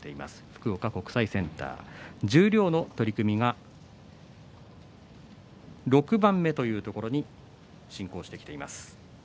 福岡国際センター、十両の取組が６番目というところに進行してきています。